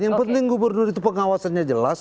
yang penting gubernur itu pengawasannya jelas